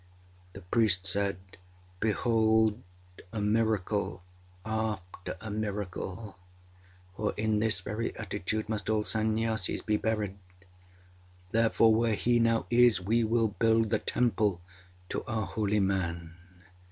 The priest said: âBehold a miracle after a miracle, for in this very attitude must all Sunnyasis be buried! Therefore where he now is we will build the temple to our holy man.